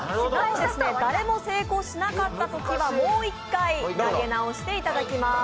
誰も成功しなかったときはもう１回投げ直していただきます。